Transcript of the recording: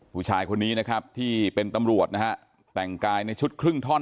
ผู้ชายคนนี้ที่เป็นตำรวจแต่งกายในชุดครึ่งถ้อน